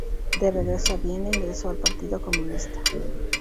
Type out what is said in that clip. De regreso a Viena, ingresó al Partido Comunista.